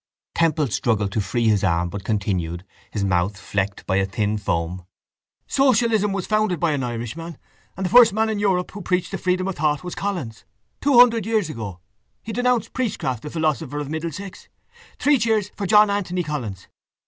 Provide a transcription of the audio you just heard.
Temple struggled to free his arm but continued, his mouth flecked by a thin foam: —Socialism was founded by an Irishman and the first man in Europe who preached the freedom of thought was Collins. Two hundred years ago. He denounced priestcraft, the philosopher of Middlesex. Three cheers for John Anthony Collins!